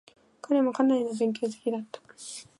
彼もかなりの勉強好きだった。